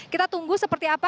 kita tunggu seperti apa